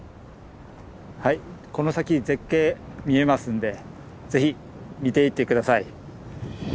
はいこの先絶景見えますんでぜひ見ていって下さい。